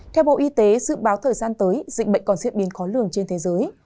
theo bộ y tế dự báo thời gian tới dịch bệnh còn diễn biến khó lường trên thế giới